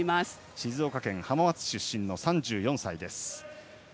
静岡県浜松市出身の３４歳です、鈴木。